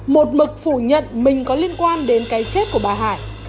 một mực phủ nhận mình có liên quan đến cái chết của bà hải